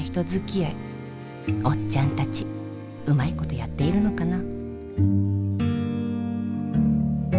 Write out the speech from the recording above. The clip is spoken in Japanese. おっちゃんたちうまいことやっているのかな。